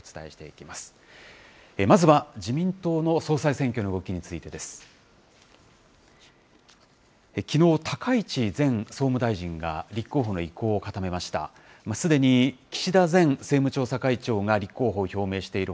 きのう、高市前総務大臣が立候補の意向を固めました。